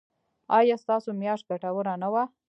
ایا ستاسو میاشت ګټوره نه وه؟